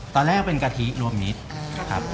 ตอนแรกเป็นกะทิรวมมิตรครับ